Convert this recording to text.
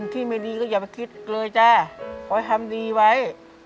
ที่๓